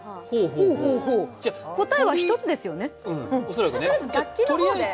答えは１つですよね。